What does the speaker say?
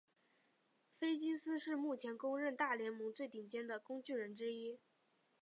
菲金斯是目前公认大联盟最顶尖的工具人之一。